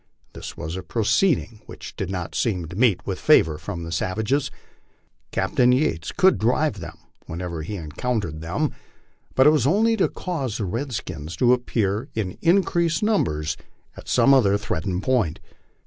This was a proceeding which did not seem to meet with favor from the savages. Captain Yates could drive them wherever he encountered them, but it was only to cause the redskins to appear in in creased numbers at some other threatened point.